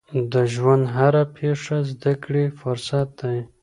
د ژوند هره پیښه زده کړې فرصت دی.